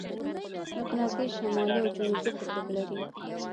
مقناطیس شمالي او جنوبي قطب لري.